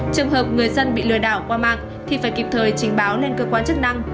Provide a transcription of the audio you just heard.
trường hợp người dân bị lừa đảo qua mạng thì phải kịp thời trình báo lên cơ quan chức năng